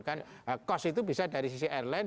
kan cost itu bisa dari sisi airline